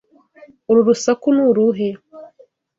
Uru rusaku ni uruhe?